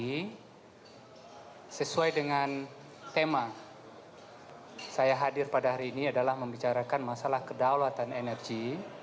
jadi sesuai dengan tema saya hadir pada hari ini adalah membicarakan masalah kedaulatan energi